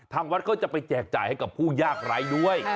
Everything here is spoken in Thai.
ทางวัดก็จะไปแจกจ่ายให้กับผู้ยากไร้ด้วย